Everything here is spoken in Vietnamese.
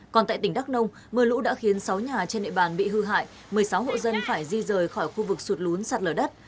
còn tại tỉnh đắk nông mưa lũ đã khiến sáu nhà trên địa bàn bị hư hại một mươi sáu hộ dân phải di rời khỏi khu vực sụt lún sạt lở đất